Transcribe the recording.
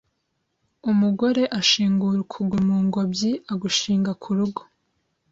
umugore ashingura ukuguru mu ngobyiagushinga ku rugo.